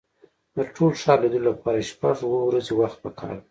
د ټول ښار لیدلو لپاره شپږ اوه ورځې وخت په کار دی.